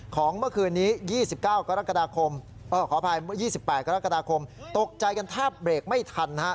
ของเมื่อคืนนี้๒๘กรกฎาคมตกใจกันถ้าเบรกไม่ทันฮะ